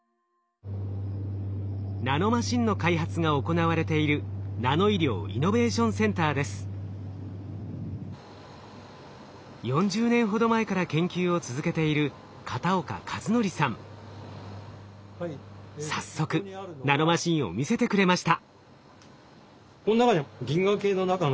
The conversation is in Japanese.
ナノマシンの開発が行われている４０年ほど前から研究を続けている早速ナノマシンを見せてくれました。